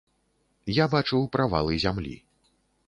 Я бачыў правалы зямлі.